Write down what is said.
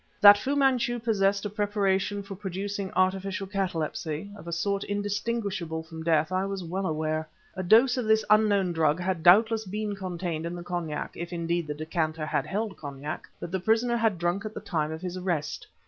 That Fu Manchu possessed a preparation for producing artificial catalepsy, of a sort indistinguishable from death, I was well aware. A dose of this unknown drug had doubtless been contained in the cognac (if, indeed, the decanter had held cognac) that the prisoner had drunk at the time of his arrest.